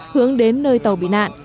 hướng đến nơi tàu bị nạn